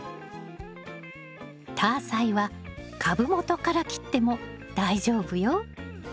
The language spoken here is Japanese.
タアサイは株元から切っても大丈夫よ。